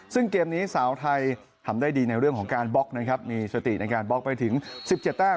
ซึ่งเกมนี้สาวไทยทำได้ดีในเรื่องของการบล็อกนะครับมีสติในการบล็อกไปถึง๑๗แต้ม